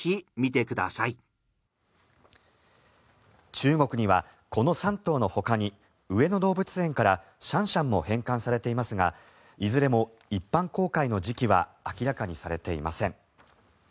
中国にはこの３頭のほかに上野動物園からシャンシャンも返還されていますがいずれも一般公開の時期は明らかにされていません。